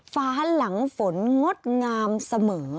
ฟ้าหลังฝนงดงามเสมอ